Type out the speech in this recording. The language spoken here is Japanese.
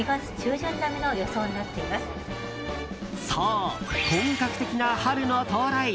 そう、本格的な春の到来。